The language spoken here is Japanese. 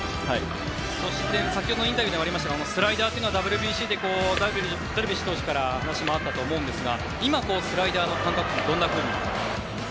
先ほどのインタビューでありましたがスライダーというのはＷＢＣでダルビッシュ投手からも話があったと思うんですが今、スライダーの感覚はどんなふうに？